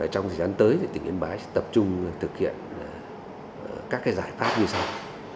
trong thời gian tới tỉnh yên bái sẽ tập trung thực hiện các giải pháp như sau